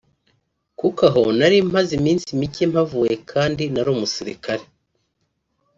kuko aho nari mpamaze iminsi mike mpavuye kandi nari umusirikare